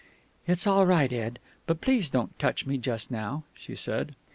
"It's all right, Ed, but please don't touch me just now," she said.